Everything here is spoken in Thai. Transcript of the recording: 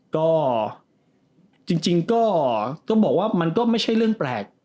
ก็จริงก็ต้องบอกว่ามันก็ไม่ใช่เรื่องแปลก